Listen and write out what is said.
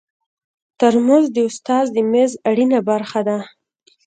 ترموز د استاد د میز اړینه برخه ده.